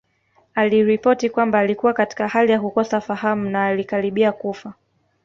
Aliripoti kwamba alikuwa katika hali ya kukosa fahamu na alikaribia kufa